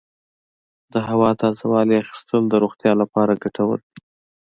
د هوا تازه والي اخیستل د روغتیا لپاره ګټور دي.